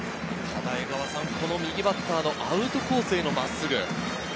ただ、この右バッターのアウトコースへの真っすぐ。